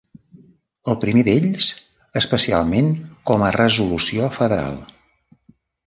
El primer d'ells especialment com a resolució federal.